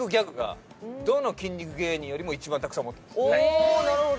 おおなるほど。